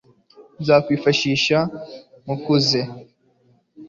nzarwifashisha mukuze